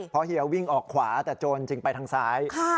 เพราะเฮียวิ่งออกขวาแต่โจรจริงไปทางซ้าย